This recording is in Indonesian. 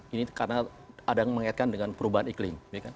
ini karena ada yang mengaitkan dengan perubahan iklim